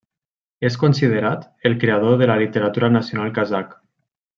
És considerat el creador de la literatura nacional kazakh.